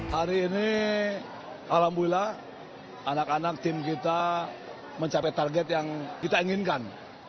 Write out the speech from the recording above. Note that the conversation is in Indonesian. hari ini alhamdulillah anak anak tim kita mencapai target yang kita inginkan